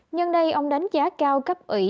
nhân đây ông đánh giá cao cấp ủy